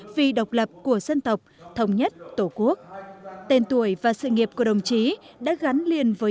vì độc lập của dân tộc thống nhất tổ quốc tên tuổi và sự nghiệp của đồng chí đã gắn liền với